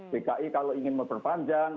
dki kalau ingin memperpanjang